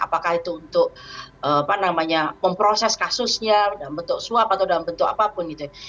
apakah itu untuk memproses kasusnya dalam bentuk suap atau dalam bentuk apapun gitu ya